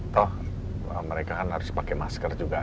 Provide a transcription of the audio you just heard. toh mereka kan harus pakai masker juga